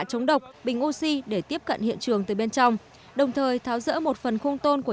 chống độc bình oxy để tiếp cận hiện trường từ bên trong đồng thời tháo rỡ một phần khung tôn của